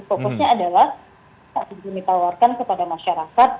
fokusnya adalah kita harus ditawarkan kepada masyarakat